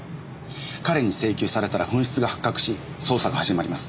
彼に請求されたら紛失が発覚し捜査が始まります。